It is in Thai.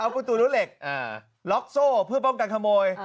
ประตูรั้วเหล็กล็อกโซ่เพื่อป้องกันขโมย